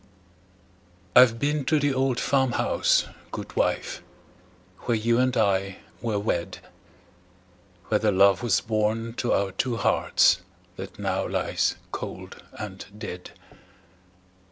I've been to the old farm house, good wife, Where you and I were wed; Where the love was born to our two hearts That now lies cold and dead.